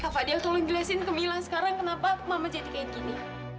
pak dia tolong jelasin ke mila sekarang kenapa mama jadi kayak gini